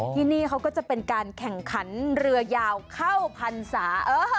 ที่นี่เขาก็จะเป็นการแข่งขันเรือยาวเข้าพรรษา